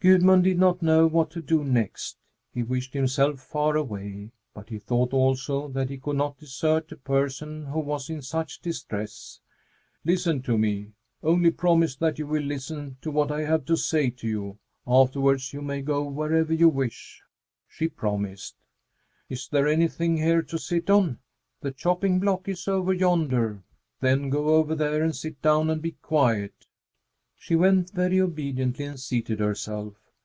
Gudmund did not know what to do next. He wished himself far away, but he thought, also, that he could not desert a person who was in such distress. "Listen to me! Only promise that you will listen to what I have to say to you; afterwards you may go wherever you wish." She promised. "Is there anything here to sit on?" "The chopping block is over yonder." "Then go over there and sit down and be quiet!" She went very obediently and seated herself.